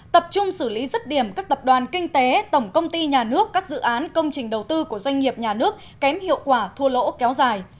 tập trung xử lý rứt điểm các tập đoàn kinh tế tổng công ty nhà nước các dự án công trình đầu tư của doanh nghiệp nhà nước kém hiệu quả thua lỗ kéo dài